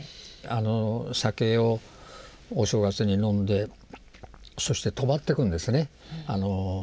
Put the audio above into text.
酒をお正月に飲んでそして泊まってくんですねうちへ。